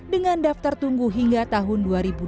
dengan daftar tunggu hingga tahun dua ribu dua puluh